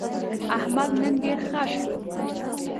احمد نن ډېر خړ شو.